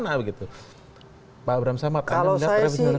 pak abramsama anda mendatang revisi undang undang kpk yang sepenuhnya